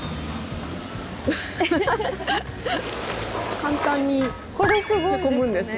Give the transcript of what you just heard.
簡単にへこむんですね。